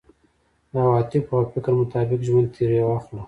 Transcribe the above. د عواطفو او فکر مطابق ژوند ترې اخلو.